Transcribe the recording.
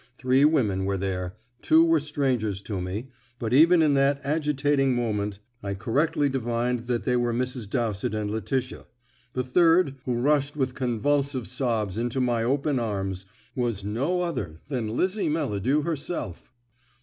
Three women were there; two were strangers to me, but even in that agitating moment I correctly divined that they were Mrs. Dowsett and Letitia; the third, who rushed with convulsive sobs into my open arms, was no other than Lizzie Melladew herself.